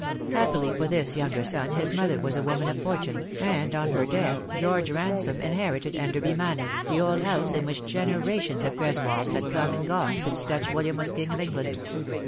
Happily for this younger son his mother was a woman of fortune, and on her death George Ransome inherited Enderby Manor, the old house in which generations of Greswolds had coma and gone since Dutch WUliam was King of England.